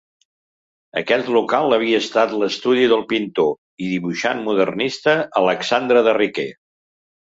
Aquest local havia estat l'estudi del pintor i dibuixant modernista Alexandre de Riquer.